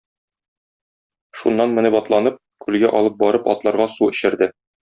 Шуннан менеп атланып, күлгә алып барып атларга су эчерде.